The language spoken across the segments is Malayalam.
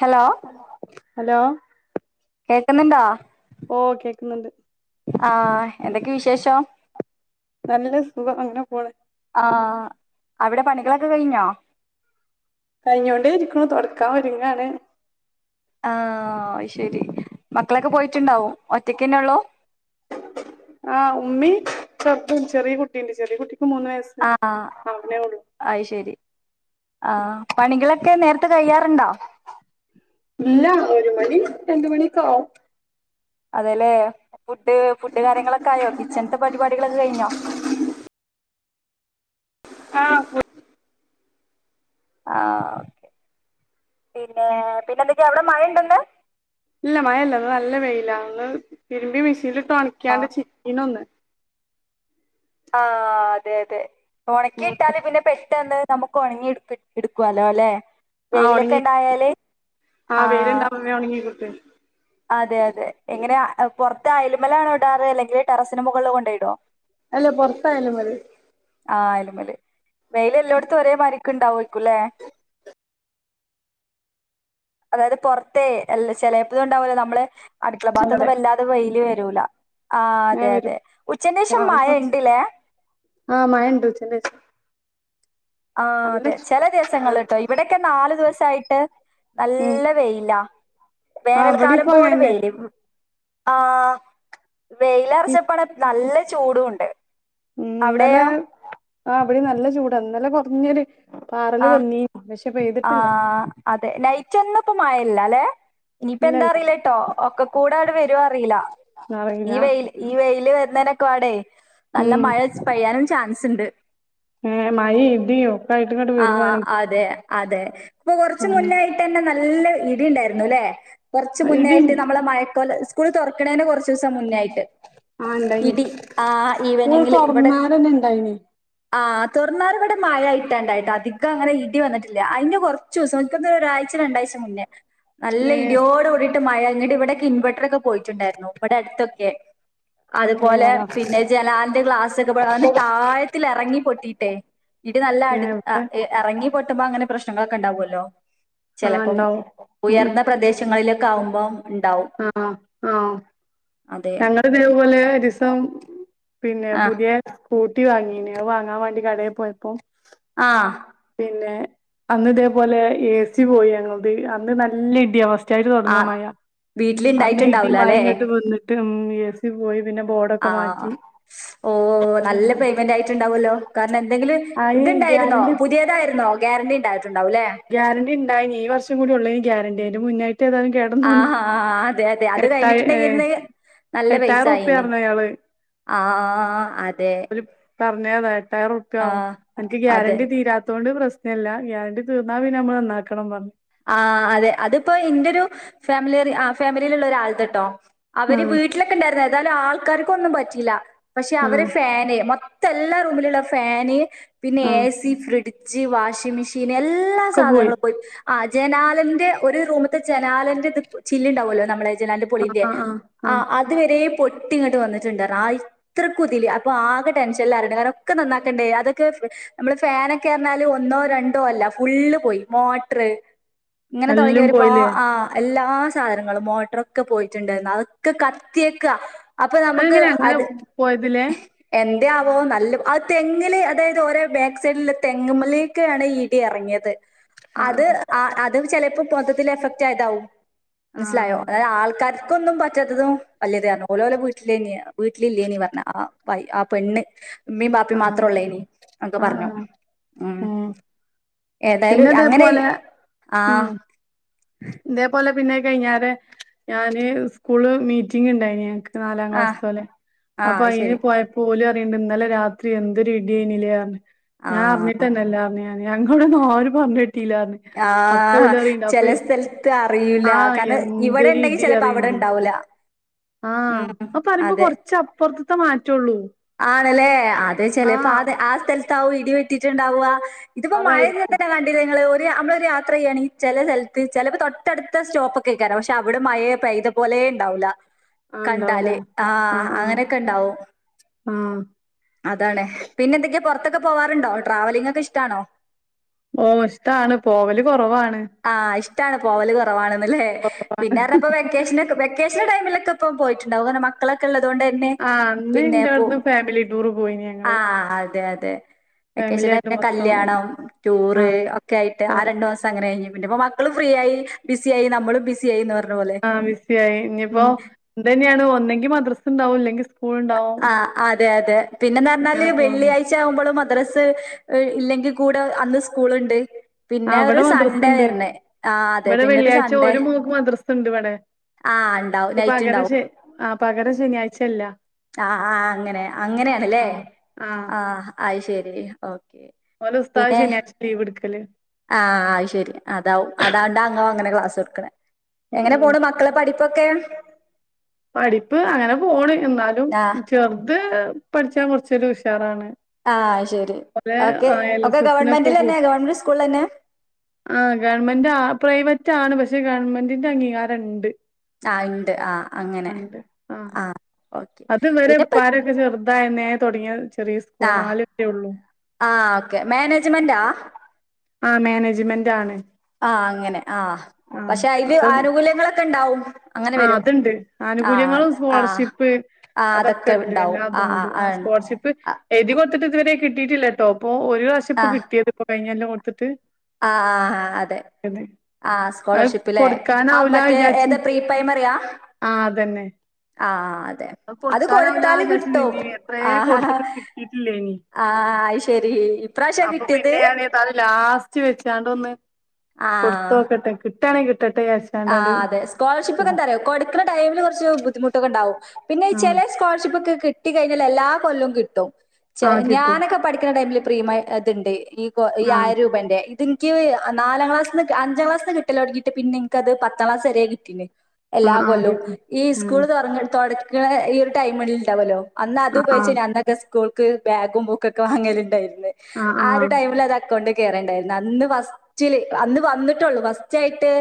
ഹലോ ഹലോ കേക്കുന്നുണ്ടോ ഓ കേക്കുന്നുണ്ട് ആ എന്തൊക്കെ വിശേഷം നല്ല സുഖം അങ്ങനെ പോണ് ആ അവിടെ പണികളൊക്കെ കഴിഞ്ഞോ കഴിഞ്ഞു കൊണ്ടേ ഇരിക്കുണു തുടക്കാൻ ഒരുങ്ങാണ് ആ അത് ശരി മക്കളൊക്കെ പോയിട്ടുണ്ടാവും ഒറ്റക്ക്ന്നെ ഉള്ളോ ആ ഉമ്മി ചർപ്പ ചെറിയ കുട്ടീണ്ട് ചെറിയ കുട്ടി ആ അത് ശരി ആ പണികളൊക്കെ നേരത്ത് കഴിയാറുണ്ടോ,? ഇല്ല ഒരു മണി രണ്ട് മണിയൊക്കെ ആവും അതെല്ലെ ഫുഡ് കാര്യങ്ങളൊക്കെ ആയോ കിച്ചണത്തെ പരിപാടികളൊക്കെ കഴിഞ്ഞോ ആഹ് ഫുഡ് - ആ ഓക്കെ പിന്നെ പിന്നെ എന്തക്കാ അവിടെ മഴയുണ്ടോ ഇന്ന് ഇല്ല മഴല്ല നല്ല വെയില ഒന്ന് തിരുമ്പി മെഷീനിലി ആ തണിക്കാണ്ട് ചീന ഒന്ന് [unintelligible] ആ അതെ അതെ ഉണക്കി ഉം ഇട്ടാല് പിന്നെ പെട്ടെന്ന് നമുക്ക് ഉണങ്ങി എടുക്കുവാലോ അല്ലെ ആ വെയിലൊക്കെ ഉണങ്ങി ഉണ്ടായാല് ആ വേയിലണ്ടാവുന്നേ ഉണങ്ങി കിട്ടു അതെ അതെ എങ്ങനെയാ പുറത്തു അയേലാണോ ഇടാറു അല്ലെങ്കിൽ? ടെറസിന് മുകളില് കൊണ്ടുപോയി ഇടുമോ അല്ല പൊറത്തായാലും മതി അയലുമേല് വെയിൽ എല്ലായിടത്തും ഒരേ മാരിയൊക്കെ ഇണ്ടാവും അതായത് പൊറത്തേ ചെലപ്പോ ഉണ്ടാവില്ല നമ്മള്- അടുക്കള ഭാഗത്തൊന്നും ഇവിടെ വല്ലാതെ വെയില് കിട്ടില്ല ആ മഴ അതെ വരും അതെ ഉച്ചന് ശേഷം രാവിലെ മഴ കൊറച്ച് ഉണ്ടില്ലേ ആ മഴ ഉണ്ട് ഉച്ചക്കു ശേഷം ആ അതെ ചില നല്ല ദിവസങ്ങളിട്ടോ ഇവിടൊക്കെ നാല് ദിവസം ചൂടായിട്ട് ഉം നല്ല വെയില ആഹ് ഇവിടെ വേനൽക്കാലം ഇപ്പ പോലെ അങ്ങനെന്നെ വെയില ആ വെയിലറച്ചപ്പണ നല്ല ചൂടും ഉണ്ട് ഉം ഇന്നലെ അവിടെയോ ആ അവിടെ നല്ല ചൂടാ ഇന്നലെ തുിയന [unintelligible] ആ ആ അതെ നൈറ്റ് ഒന്ന് ഇപ്പം മഴയില്ല അല്ലേ ഇനിയിപ്പ എന്താ ഇല്ലല്ല അറിയില്ല കേട്ടോ ഒക്കെ കൂടെ അവിടെ അറിയില്ല അറിയില്ല ഈ വെയില്- എന്തൊ എടുക്കുവാടെ നല്ല ഉം മഴ പെയ്യാനും ചാൻസ് ഉണ്ട് ആ മഴയും ഇടിയും എല്ലായിട്ടിങ്ങോട്ട് ആ വേരുവാണ് അതെ അതെ അപ്പൊ കൊറച്ചു മുന്നായിട്ട് തന്നെ നല്ല ഇടി ഇടിയുണ്ടായിരുന്നു അല്ലേ കൊറച്ച് ഇടി മുന്നായിട്ട് നമ്മളെ മഴക്കോല സ്കൂൾ തുറക്കണതിൻ്റെ കുറച്ച് ദിവസം മുന്നായിട്ട് ആഹ് ഇണ്ടായിനി ഇടി ആ സ്കൂൾ ഈവനിങ്ങില് ഇവിടെ തൊറന്നാരെന്നെ ഇണ്ടായിനി ആഹ് തുൊറന്നാരെങ്ങട്ട് മഴായി ട്ടാണ്ടായി് അധിക ങ്ങനെ ഇടി വന്നിട്ടില്ല അതിന് കൊറച്ച് ദിവസം ഒരാഴ്ച രണ്ടാഴ്ച മുന്നേ നല്ല ഏഹ് ഇടിയോടെ കൂടിയിട്ട് മഴ ങ്ങട്ട് ഇവിടക്കെ ഇൻവെർട്ടർ ഒക്കെ പോയിട്ടുണ്ടായിരുന്നു ഇവിടെ അടുത്തൊക്കെ അതുപോലെ ഏഹ് പിന്നെ ജനാലന്റെ ഗ്ലാസൊക്കെ പോട്ടി താഴത്തിൽ ഇറങ്ങി പൊട്ടിട്ടെ ഇടി നല്ല അടു ഏഹ് ഇവിടെ എറങ്ങിപട്ടുമ്പോ അങ്ങനെ പ്രശ് ശ്നങ്ങളൊക്കെ ഉണ്ടാവുമല്ലോ ആഹ് ചെലപ്പം ഇണ്ടാവും ഉം ഉം ഉയർന്ന പ്രദേശങ്ങളിലെ കാവുമ്പോ ആഹ് ആഹ് അതെ ഞങ്ങളെവടെപോലെ രിസം പിന്നെ ആ പുതിയ കൂട്ടി വാങ്ങീണത് വാങ്ങാൻ വേണ്ടി കടേ പോയപ്പോ ആഹ് പിന്നെ അന്ന് ഇതേപോലെ എ സി പോയി ഞങ്ങളത് അന്ന് നല്ല ഇടിയ അ സ്റ്റായിട്ട് ആ തൊടങ്ങ മഴ അന്ന് ഇടി വീട്ടിലുണ്ടായിട്ടുണ്ടാവൂല മഴങ്ങട്ട് അല്ലേ വന്നിട്ട് ഉഴ പോയി പിന്നെ ബോർഡൊക്കെ ആഹ് മാറ്റി ഓ നല്ല പേയ്മെന്റ് ആയിട്ടുണ്ടാവല്ലോ ക ന്ന് എന്തെങ്കിലും അയി ഇതുണ്ടായിരുന്നോ? പുതിയതായിരുന്നോ? ഗ്യാരന്റി ണ്ടാ ഗ്യാരന്റി ണ്ടായിനി ഈ വർഷം കൂടി ഉള്ളൊയ്നി ഗ്യാരന്റി. നു മുന്നേ ഏതാനും കേടന്നോണ്ട് ആഹ് ആഹ് അതെ അതെ അത് എട്ടയി ഏ കഴിഞ്ഞിട്ടുണ്ടെങ്കില് നല്ല പൈസ എട്ടായിരം ആയിന് റുപ്യറുന്നു അയാള് ആഹ് അ തെ പറഞ്ഞേ താ എട്ടായിരം റുപ്യാവും നിക്ക് അതെ ഗ്യാരണ്ടി തീരാത്തൊണ്ട് പ്രശ് ഇല്ല ഗ്യാരന്റി തീർന്നാ പിന്നെ മ്മള് നന്നാക്കണം പറു ആഹ് അതെ അതിപ്പോ ഇന്റെരു ഫാമിലി ആഹ് ഫാമിലിയിലുള്ള ഒരാൾതെട്ടോ. അവര് ആഹ് വീട്ടിലൊക്കെണ്ടായിരുന്ന ഏതായാലും ആൾക്കാര് ക്കൊന്നും പറ്റീല്ല. പക്ഷെ ആഹ് അവരെ ഫാന് മൊ എല്ലാ റൂമിലുള്ള ഫാന് പിന്നെ A ah C fridge വാഷിങ്മെഷീ പിന്നെ എല്ലാ സാധനങ്ങളും പോയി ആ ജനാലന്റെ ഒരു റൂമ്ത്തെ ജനാലന്റെ ചില്ല്ണ്ടാവുമല്ലോ നമ്മളെ ജനാലന്റെ ആഹ് പൊളില്ലേ ആഹ് ആ ആഹ് അതുവരെ പൊ ട്ടിങ്ങോട്ട് വന്നിട്ടുണ്ടായിരുന്നു ആ ഇത്രക്കുതില് അപ്പൊ ആകെ ടെൻഷൻല്ലാരുണ്ട് കാരണം ഒക്കെ നന്നാക്കേണ്ട അതൊക്കെ നമ്മള് ഫാനൊക്കെ പറഞ്ഞാല് ഒന്നോ രണ്ടോ അല്ല ഫുള്ള് പോയി [unintelligible] ഇങ്ങനെ തുടങ്ങിയ എല്ലും ഒരുപാ പോയില്ലേ ആ എല്ലാ ആ സാധനങ്ങള് മോട്ടറൊക്കെ പോയിട്ടുണ്ടായിരുന്നു അതൊക്കെ കത്തിയക്ക അതെങ്ങനെ അങ്ങനെ പോയതില്ലേ ദേ ആവോ നല്ലത് ആ തെങ്ങില് അതായത് ഓരെ ബാക്ക് സൈഡ്ല്ള്ള തെങ്ങ്മ്മലേക്കാണ് ഇടി ഇറങ്ങിയത് അത് ആഹ് അ അത് ചിലപ്പോ പൊദത്തിൽ എഫക്ട് ആയതാവും മനസ്സിലായോ ആഹ് അതായത് ആൾക്കാർ ക്കൊന്നും പറ്റാത്തതും വല്യത് കാരണം ഓല് ഓലെ വീട്ടിലെനി വീട്ടിലില്ലേനി പറഞ്ഞ ആ വൈ ആ പെണ്ണ് ഉമ്മീം ബാപ്പിയും മാത്രം ആഹ് ഒള്ളേനി ന്നൊക്കെ ആഹ് പറഞ്ഞു ആഹ് ഉ ഉം ഏതായാലും പിന്നെ അങ്ങനെ ആഹ് ഇതെ പോലെ പിന്നെ [unintelligible] ഞാന് സ്കൂള് മീറ്റിംഗ് ഉണ്ടായിന് ഞങ്ങ്ക്ക്‌ നാലാം ആ ക്ലാസത്തല്ലേ ആ അപ്പൊ അത് അയ്ന് ശരി പോയ പോലും [unintelligible] ഇന്നലെ രാത്രി എന്തൊരു [unintelligible] ഞാൻ ആഹ് [unintelligible] [unintelligible] അപ്പൊ ആഹ് ഓല് പറയ്ണ്ട് ചില അപ്പൊ സ്ഥ അറിയില്ല ആഹ് കാരണം ഇവിടെ എന്തൊരു ഇണ്ടെങ്കി ഇടി ചിലപ്പോ അവിടെ അറിയ്ണ്ട് ഇണ്ടാവൂല ആഹ് ഉം അത് പറയുമ്പോ അതെ കൊറച്ച് മാറ്റൊള്ളൂ ആണല്ലേ അതെ ചെലെപ്പോ ആഹ് അത ആ [unintelligible] ഇടി വെട്ടിട്ടുണ്ടാവുക ഇതിപ്പോ മഴ നി അതായിരിക്കും കണ്ടി നിങ്ങള് [unintelligible] യാത്ര ചെയ്യുകയാണെങ്കി ചെല സ്ഥൽത്ത് ചെലപ്പോ തൊട്ടടുത്ത സ്റ്റോപ്പോക്കെക്കാരം പക്ഷെ അവിടെ മഴയ പെയ്ത പോലെ ണ്ടാവൂല്ല ആഹ് ഇണ്ടാവൂല കണ്ടാല് ആ അങ്ങനെക്കെ ണ്ടാവും ആ അതാണ് പിന്നെന്തെക്കെ പൊർത്തൊക്കെ പോവാറുണ്ടോ ട്രാവലിംഗ് ഒക്കെ ഇഷ്ടാണോ ഓ ഇഷ്ടാണ് പോവല് കുറവാ ആ ഇഷ് ടാണ് പോവല് കൊറവാണ് അല്ലേ പിന്നാരാപ്പംവെക്കേഷനൊക്കെ വെക്കേഷന്റെ ടൈമില് ട്ട്പ്പം പോയിട്ട്ണ്ടാവും കാരണം മക്കളൊക്കെള്ള തൊണ്ടെന്നെ ആ അന്ന് പിന്നെ ഇന്റെ പോ അവിടുന്ന് ഫാമിലി ടൂർ പോയിനി ആ ഞങ്ങള് അതെ അതെ ഫാമിലി ആയിട്ട് വെക്കേഷനൊക്കെ മൊത്തം കല്യാണം ആ ടൂറ് ഒക്കെ ആയിട്ട് ആ രണ്ട് മാസം അങ്ങനെ കഴി പിന്നെപ്പൊ മക്കള് ഫ്രീ യായി ബിസി യായി നമ്മളും ബിസി യായി എന്ന് പർ ആ ബിസിയായി ഞ്പ്പോ ഇതെന്ന്യാണ് ഒന്നെങ്കി മദ്രസ് ണ്ടാവും ഇല്ലെങ്കി സ് ആ അതെ യതെ പിന്നെന്ന് പറഞ്ഞാല് അങ്ങനെ പോവേ വെള്ളിയാഴ്ച ആകുമ്പോള് മദ്രസ് ഇല്ലെങ്കിൽ കൂടെ അന്ന് സ്കൂള്ണ്ട് ആ പിന്നെ വടെ ഒരു സൺഡേ മദ്രസ്ണ്ട് വരണേ. ആഹ് അതെ. ഇവിടെ പിന്നൊരു വെള്ളിയാഴ്ച സൺഡേ ഒരു മോക്ക് മദ്രസ്ണ്ട് വടെ ആഹ് ഇണ്ടാവും നൈറ്റ് പകരം ശേ ആ പകരം ശനിയാഴ്ച ല്ല ആ ആ അങ്ങനെ അങ്ങനെണ്ല്ലേ ആ ആ അഅ് ശരി ആ ഓലെ ഉസ്താദ് പിന്നെ ശനിയാഴ്ച ലീവ് എടുക്കല് ആ അഅ് ശരി അതാവും അതാണ്ട ഇങ്ങൾ അങ്ങനെ ക്ലാസ് ട്‌ക്ക്ണെ ഉം എങ്ങനെ ഉം പോണ് മക്കള് പഠ പ്പൊക്കെ പഠിപ്പ് പോണ് എന്നാലും ആഹ് ചെറ്ത് പഠിച്ചാ കൊർ ച്ചൊരു ഉഷാറാണ് ആഹ് അത് ശരി വെ ഓക്കെ അ ഒക്കെ എൽസ് സ്നോക്കെ ഗവൺമെന്റിലന്നെ കൂട്ടി ഗവൺമെന്റ് സ്കൂളിലന്നെ ആ ഗവർമൻ്റാ പ്രൈവറ്റാണ് പ ച്ച് ഗവൺമെന്റിന്റെ അംഗീകാരണ്ട് ആ [unintelligible] ണ്ട് ആ അങ്ങനെ ആഹ് ആ ഒക്കെ പിന്നെപ്പ തായനെ തൊടങ്ങി ആ ആ ഓക്കെ മാനേജ്മെന്റാ ആ മാനേജ്മെൻ്റാണ് ആ അങ്ങനെ ആപക്ഷെ അയ്ല് ആനുകൂല്യങ്ങളൊക്കെ ണ്ടാവും ആ അത്ണ്ട് ആനുകൂല്യങ്ങളും ആഹ് സ്കോളർഷിപ്പ് ആഹ് അതൊക്കെ ണ്ട് ഇണ്ടാവും ആഹ് എല്ലാതുണ്ട് ആഹ് ആ ആണ് സ്കോളർഷിപ്പ് എഴുതി കൊ തിട്ട് ഇത് വരെ കിട്ടിട്ടില്ല ട്ടോ ഇപ്പോ ഒരു പ്രാവിശ്യം ഇപ്പൊ കിട്ടിയത് പ്പൊ കഴി എന്ന കൊട്ത്തിട്ട് ആ ആ ആ അതെ ആ അത് സ്കൊളർഷിപ്പലേ ആ കൊടുക്കാനാവൂല മറ്റേ വിചാരിച്ച് ഏത് പ്രീ പ്രൈമ മറിയാ ആഹ് അതന്നെ ആ അതെ അത് കൊടുക്കാനാവൂല കൊടുത്താല് വിചാരിച്ച് കിട്ടും പിന്നിം എത്രേ ആ കൊടുത്തിട്ടും കിട്ടിയിട്ടില്ലേനി ആ അയ്ശെരി ഇപ്രാവശ്യാ കിട്ടിയത് ച്ചാണ്ടൊന്ന് ആഹ് കൊടുത്തോക്കെട്ടെ കി ട്ടാണെക് ആ അതെ സ്കോളർഷിപ്പ് പ്പ് എന്താന്നാറിയേ കൊട്ക്കണടൈമില് കൊറച്ച് ബുദ്ധിമുട്ടൊക്കെ ഉണ്ടാവും പിന്നെ ചെല ആഹ് സ്കൊളർഷിപ് ഒക്കെ കി ട്ടി കഴിഞ്ഞാ എല്ലാ കൊല്ലോം കിട്ടു ചെ ആഹ് കിട്ടും ഞാനൊക്കെ പഠിക്ക്ണ ടൈംമില് പ്രിമായി അത്ണ്ട് ഈ ഗേ ഈ ആഹ് ആയിരം രൂപേൻ്റെ ഇതെനിക്ക് നാലാം ക്ലാസിന്ന് അഞ്ചാംക്ലാസിന്ന് കിട്ടല്ലോടെങ്ങിട്ട് പിന്നെ നിക്കത് പത്താംക്ലാസ് വരെ കിട്ടിന്ന് എല്ലാ ആഹ് ആഹ് കൊല്ലോം കിട്ടും ഈ ഉം സ്കൂൾ തൊറ തെടക്കണ ഈ ഒരു ടൈമിൽഡാവല്ലോ അന്ന് അത് ഉപയോഗിച്ച് ആഹ് ഞാ അന്നൊക്ക സ് സ്കൂൾക്ക് ബാഗും ബുക്കൊക്കെ വാങ്ങല് ഇണ്ടായിനു ആഹ് ആഹ് ആ ഒരു ആഹ് ടൈമില് അത് അക്കോണ്ട് കേറെണ്ടായിരുന്നു അന്ന് ഫസ്റ്റില് അന്ന് വന്നിട്ടൊള്ളൂ ഫസ്റ്റായിട്ട്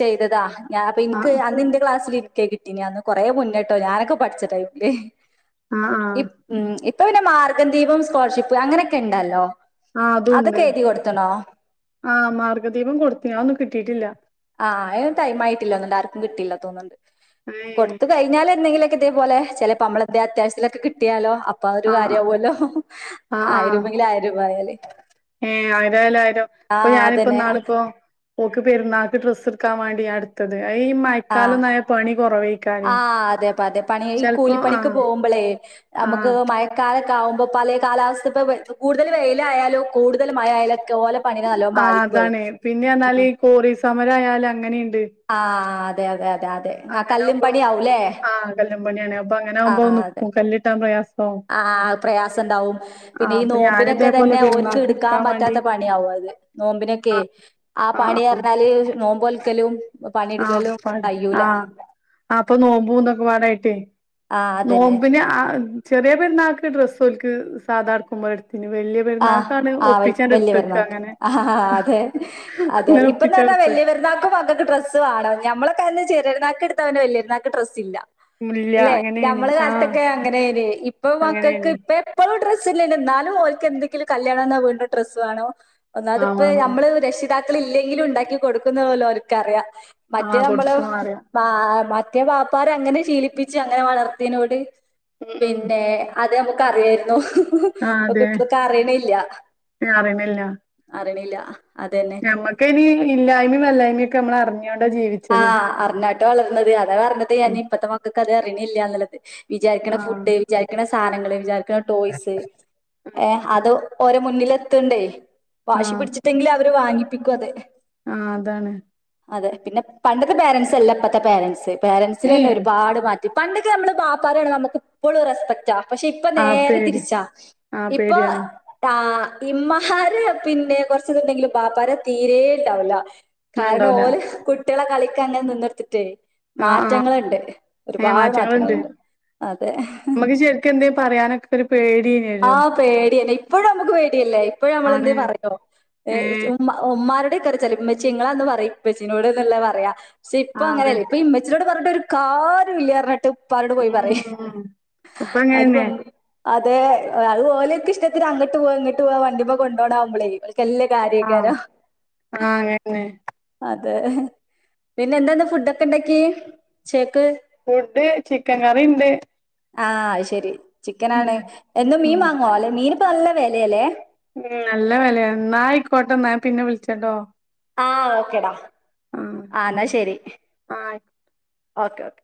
ചെയ്തതാ ഞാ പിൻക്ക് ആഹ് ആഹ് അതിന്റെ ക്ലാസ്സിൽ എനി ഒക്കെ കിട്ടീന് കൊറേ മുന്നെട്ടോ ഞാനൊക്കെ പഠിച്ച ടൈമില് ആഹ് ഇപ്പ് ആഹ് ഉം ഇപ്പ് ഇപ്പം പിന്നെ മാർഗംദീപം സ്കോളർഷിപ്പ് അങ്ങനൊക്കെ ഉണ്ടല്ലോ ആ അതൂണ്ട് അതൊക്കെ എഴുതി കൊടുത്തണോ ആ മാർഗദീപം കൊടുത്തിനി അത് ഒന്നും കിട്ടിട്ടില്ലാ ആ അത് ടൈം ആയിട്ടില്ലന്നുണ്ട് ആർക്കും കിട്ടില്ല തോന്നുന്നുണ്ട് ഏഹ് കൊടുത്ത് കഴിഞ്ഞാൽ എന്തെങ്കിലുമൊക്കെ ദേ അതുപോലെ ചിലപ്പോ നമ്മളെന്തെ അത്യാവശ്യത്തിലൊക്കെ കിട്ടിയാലോ അപ്പ ഒരു ആഹ് കാര്യവു ആഹ് അല്ലോ ആഹ് ആഹ് ആയിരമെങ്കിൽ ആയിരം രൂപ ആയാലേ ഏഹ് ആയിരായാലും ആയിരം ആ ഇപ്പൊ ഞാനിപ്പോ അതന്നെ ഇന്നാളിപ്പോ ഓക്ക് പെര്നാക്ക് ഡ്രസ്സ് എക്കാൻ വേണ്ടി ഞാൻ എടുത്തത് ഈ മയക്കാലം നായ പണി കുറവേ ആഹ അതെപ്പ അതെ പണി ഈ കൂലിപ്പണിക്ക് ആഹ് പോകുമ്പോളേ നമുക്ക് ആഹ് മഴക്കാലൊക്കെ ആകുമ്പോ പലേ കാലാവസ്ഥ ഇപ്പോ കൂടുതൽ വെയിലായാലും കൂടു- കൂടുതൽ മഴ ആയാലൊക്കെ ഓലെ പണിനെ നല്ലോം ആ ബാധിക്കും അത് സമരായാലും അങ്ങനെയുണ്ട് ആ ആ അതെ അതെ അതെ അതെ അതെ ആ അങ്ങനെ കല്ലും ആകുമ്പോളും പണിയാവും ല്ലെ ആ കല്ലും പണിയാണ് അപ്പൊ അങ്ങനെ ആ ആകുമ്പോ അതെ നിക്കും കല്ലിട്ടാൻ പ്രയാസാവും ആ പ്രയാസംണ്ടാവും ആ പിന്നെ ഈ അപ്പൊ ഞാന് നോമ്പിനൊക്കെ ഇതേപോലെ തന്നെ ഓർക്ക് പെരുന്നാക്ക് എടുക്കാൻ വേണ്ടി പറ്റാത്ത പണിയാവും അത് നോമ്പിനൊക്കെ ആ ആ പണി അറിഞ്ഞാല് നോമ്പൊൽക്കലും ആ പാട് ആ ആ അപ്പൊ നോമ്പും ഇതൊക്കെ പാടെ ട്ടെ ആ അതന്നെ നോമ്പിന് ആ ചെറിയ പെരുന്നാൾക്ക് ഡ്രസ്സോൽക്ക് ഇക്ക് സാധാ എടുക്കുമ്മെ എടുത്ത് ആ ആ എടുത്തക്ക വല്യപെരുന്നാക്ക് അങ്ങനെ ആ അതെ അതെ അങ്ങനെ ഇപ്പന്ന് പറഞ്ഞാ ഒപ്പിച്ചെടുത്ത് വല്ല്യ പെരുന്നാക്കും മക്കൾക്ക് ഡ്രസ്സ് ന്ത്വാടാ ഞമ്മളൊക്കെ അന്ന് ചെറിയപെരുന്നാൾക്ക് ഡ്രസ്സ് എടുത്താ വലിയ പെരുനാൾക്ക് ഡ്രസ്സ് ഇല്ല ഇല്ല അല്ലെ അങ്ങനെയാണ് ഞമ്മളെ ആ കാലത്തൊക്കെ അങ്ങനേന് ഇപ്പൊ മക്കൾക്ക് അങ്ങനെയാണ് എപ്പോഴും ഡ്രസ്സ് തന്നെയാണ് ഇന്നാലും ഓൽക്ക് കി [inaudible] [inaudible] കല്യാണം എന്നാ വീണ്ടും ഡ്രസ്സ് വേണം ഒന്നാത് ഇപ്പ ആ നമ്മള് ര- രക്ഷിതാക്കൾ ഇല്ലെങ്കിലും ഉണ്ടാക്കി കൊടുക്കുന്ന് ഓര്ക്കറിയാം. മറ്റേ ആഹ് നമ്മള് കൊടുക്കുംന്നറിയാം [inaudible] മക്കെ വാപ്പാര് അങ്ങനെ ശീലിപ്പിച്ച് അങ്ങനെ വളർത്തിയതിനോട് പിന്നെ അതെ [inaudible] ഇക്ക്റിയായിരുന്നു. കു [inaudible] അറിയിണില്ല പറണില്ല നമ്മക്കിനി ഇല്ലായ്മിം വല്ലായ്മീം ഒക്കെ നമ്മ- ളറിഞ്ഞു ആഹ് അറിഞ്ഞാട്ടാ വളർന്നത് അതാ പറഞ്ഞത് ഞാൻ ഇപ്പഴത്തെ മക്കക്ക് അത് അറിയണില്ല. എന്നുള്ളത്. [unintelligible] വിചാരിക്കണ ആഹ് ഫുഡ് വിചാരിക്കണ സ്ഥാനങ്ങൾ വിചാരി ട്ട ടോയ്സ് ഏ അതോ ഓരെ മുന്നിലത്തണ്ടേ വാശി പിടിച്ചിട്ടെങ്കിൽ അവര് വാങ്ങിപ്പിക്കും അത് ആ അതാണ് അതെ പിന്നെ പണ്ടത്തെ പാരന്റ്സ് അല്ല ഇപ്പത്തെ പാരന്റ്സ് പേരന്റ്സിലെന്നെ ഏഹ് ഒരുപാട് മാറ്റം പണ്ടൊക്കെ നമ്മള് ബാപ്പാരെ കാണുമ്പോ നമുക്ക് എപ്പളും റെസ്പെക്റ്റാ പക്ഷെ ഇപ്പൊ ആഹ് നേരെ പേടി തിരിച്ചാ ആഹ് ഇപ്പൊ പേടിയാണ് ആ ഇമ്മഹാര് പിന്നെ കൊറച്ചതുണ്ടെങ്കിലും ബാപ്പരെ തീരേ ണ്ടാവൂല കാരണം ഇണ്ടാവൂല ഓല് കുട്ട് കളിക്കങ്ങനെ നിന്നോട്ത്തിട്ടെ ആ ആ ഏ മാറ്റങ്ങള്ണ്ട് മാറ്റങ്ങളുണ്ട് അതെ നമ്മക്ക് ശരിക്ക് എന്തങ്കിലും പറയാനൊക്കെ ഒരു ആ പേടിയേനല്ലോ പേടിയന്നെ ഇവിടെ നമുക്ക് പേടിയല്ലേ? എപ്പോഴ നമ്മള ആണ് എന്ത് പറയോ ഏഹ് ഉമ ഉമ്മാന്റെ തെറിച്ചാലും ഇമ്മച്ച്യെ ഇങ്ങളൊന്ന് പറയ് ഇപ്പച്ചിനോട്ന്നല്ലേ പറയാ. സെ ഇപ്പ ആഹ് അതെ അങ്ങനെയല്ല ഇപ്പോ ഇമ്മചിനോട് പറഞ്ഞട്ട് ഒരു കാരൂല്യ അറഞ്ഞിട്ട് ഉപ്പാനോട് പോയി ഉം പറയ് ഇപ്പൊ അങ്ങനെന്നെ അതിലൊന്നും അ ദേ അത്പോലൊക്കെ ഇഷ്ടത്തിന് അങ്ങട്ട് പോവാ ഇങ്ങട്ട് പോവാ വണ്ടിമ്മ കൊണ്ടോണാകുമ്പളേ കല്ല് ആഹ് കാര്യകരം ആഹ് അങ്ങനെന്നെ അ അതെ പിന്നെ എന്താന്ന് ഫുഡൊക്കെ ഉണ്ടാക്കി ഉചേക്ക് ഫുഡ് ചിക്കൻ കറി ഇണ്ട് ആ ശരി ചിക്കനാണ് എന്നും മീൻ ഉം വാങ്ങുവോ അല്ലെ മീൻ ഇപ്പ നല്ല വിലയാലെ ഉം നല്ല വിലയ എന്ന ആയിക്കോട്ടെ എന്നാ പിന്നെ വിളിച്ചട്ടോ ആ ഓക്കെടാ ആഹ് ആ എന്നാ ശരി ആയി ഓക്കേ ഓക്കേ